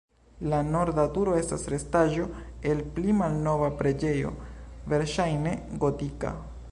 La norda turo estas restaĵo el pli malnova preĝejo, verŝajne gotika.